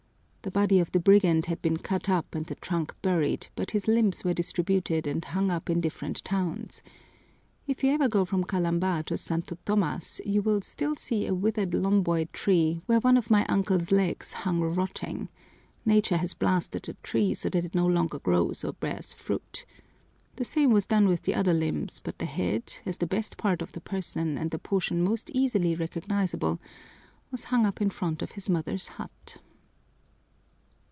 "The body of the brigand had been cut up and the trunk buried, but his limbs were distributed and hung up in different towns. If ever you go from Kalamba to Santo Tomas you will still see a withered lomboy tree where one of my uncle's legs hung rotting nature has blasted the tree so that it no longer grows or bears fruit. The same was done with the other limbs, but the head, as the best part of the person and the portion most easily recognizable, was hung up in front of his mother's hut!"